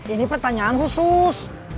ini pertanyaan khusus